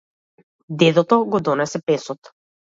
Дедото го донесе песот.